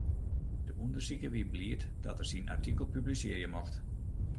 De ûndersiker wie bliid dat er syn artikel publisearje mocht.